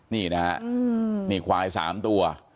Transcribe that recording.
นี่นะฮะนี่ควาย๓ตัว